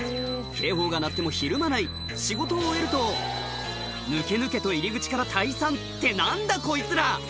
警報が鳴ってもひるまない仕事を終えるとぬけぬけと入り口から退散って何だこいつら！